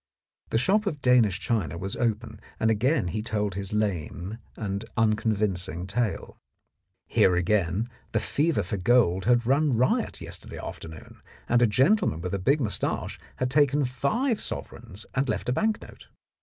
The shop of Danish china was open, and again he told his lame and unconvincing tale. Here again the fever for gold had run riot yesterday afternoon, and a gentleman with a big moustache had taken five sovereigns and left a bank note.